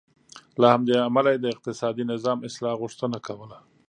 له همدې امله یې د اقتصادي نظام اصلاح غوښتنه کوله.